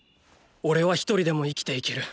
おれは一人でも生きていける。